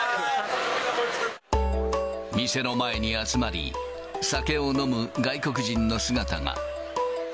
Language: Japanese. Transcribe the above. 店の前に集まり、酒を飲む外国人の姿が。